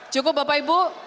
cukup bapak ibu